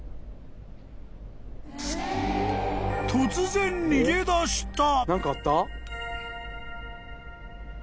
［突然逃げ出した］